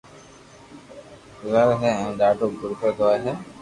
گوزاري ھي ھين ڌاڌو غرين ھوئي ھي